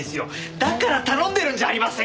だから頼んでるんじゃありませんか！